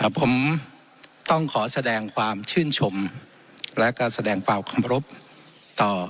ผมต้องขอแสดงความชื่นชมและก็แสดงความเคารพต่อ